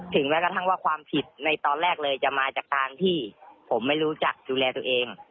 แม้กระทั่งว่าความผิดในตอนแรกเลยจะมาจากการที่ผมไม่รู้จักดูแลตัวเอง